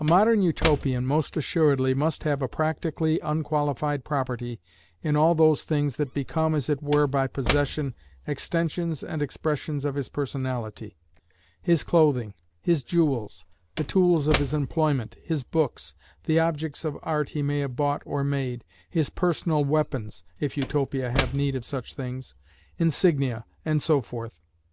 A modern Utopian most assuredly must have a practically unqualified property in all those things that become, as it were, by possession, extensions and expressions of his personality; his clothing, his jewels, the tools of his employment, his books, the objects of art he may have bought or made, his personal weapons (if Utopia have need of such things), insignia, and so forth.